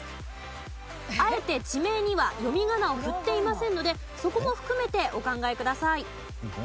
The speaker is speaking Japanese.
あえて地名には読み仮名を振っていませんのでそこも含めてお考えください。